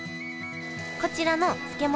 こちらの漬物